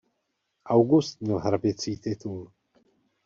August měl hraběcí titul.